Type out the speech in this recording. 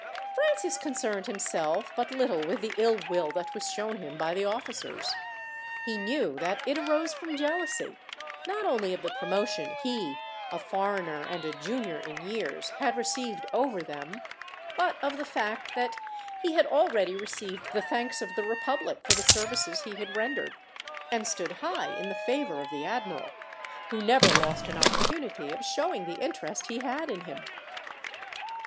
Francis concerned himself but little with the ill will that was shown him by the officers. He knew that it arose from jealousy, not only of the promotion he, a foreigner and a junior in years, had received over them, but of the fact that he had already received the thanks of the republic for the services he had rendered, and stood high in the favour of the admiral, who never lost an opportunity of showing the interest he had in him.